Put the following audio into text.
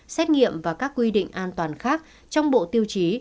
xét nghiệm và các quy định an toàn khác trong bộ tiêu chí